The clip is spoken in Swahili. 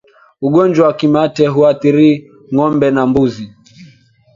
Ugonjwa wa kimeta huathiri ngombe na mbuzi